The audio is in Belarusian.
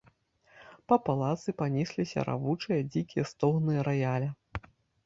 Па палацы панесліся равучыя, дзікія стогны раяля.